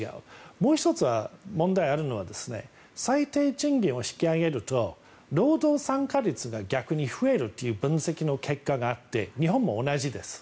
もう１つは問題があるのは最低賃金を引き上げると労働参加率が逆に増えるという分析の結果があって日本も同じです。